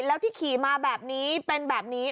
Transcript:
แล้วที่ขี่มาแบบนี้เป็นแบบนี้